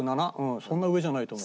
そんな上じゃないと思う。